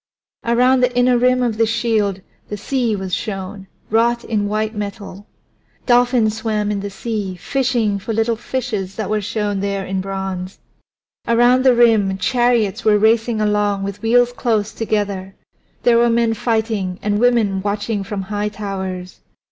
Around the inner rim of the shield the sea was shown, wrought in white metal. Dolphins swam in the sea, fishing for little fishes that were shown there in bronze. Around the rim chariots were racing along with wheels running close together; there were men fighting and women watching from high towers.